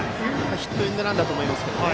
ヒットエンドランだと思います。